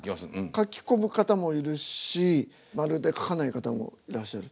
書き込む方もいるしまるで書かない方もいらっしゃる。